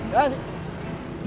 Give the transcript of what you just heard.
jarak berapa kilo